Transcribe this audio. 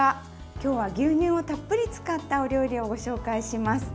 今日は、牛乳をたっぷり使ったお料理をご紹介します。